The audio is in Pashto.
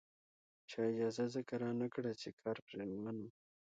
چا اجازه ځکه رانکړه چې کار پرې روان وو.